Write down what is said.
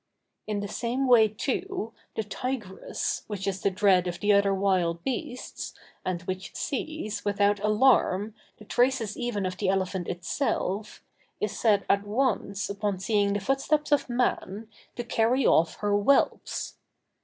In the same way, too, the tigress, which is the dread of the other wild beasts, and which sees, without alarm, the traces even of the elephant itself, is said at once, upon seeing the footsteps of man, to carry off her whelps.